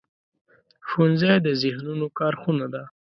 ښوونځی د ذهنونو کارخونه ده